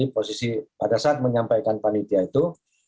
posisi pada saat menyampaikan panitia itu